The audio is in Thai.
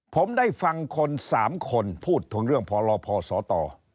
ผมได้ฟังคน๓คนพูดถึงเรื่องพลพศต